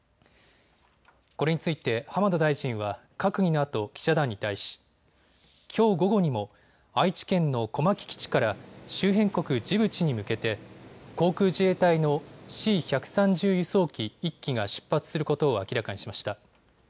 これについて浜田大臣は閣議のあと、記者団に対しきょう午後にも愛知県の小牧基地から周辺国ジブチに向けて航空自衛隊のＣ１３０輸送機１機が出発することを明らかにしました。